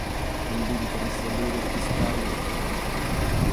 Он будет раззадоривать и стравливать их.